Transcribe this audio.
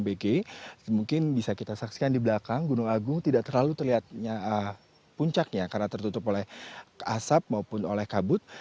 bg mungkin bisa kita saksikan di belakang gunung agung tidak terlalu terlihat puncaknya karena tertutup oleh asap maupun oleh kabut